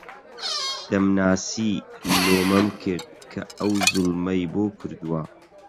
دەمناسی، لۆمەم کرد کە ئەو زوڵمەی بۆ کردووە